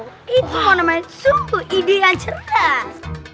tadi si lukman mau main sumbu ide yang cerdas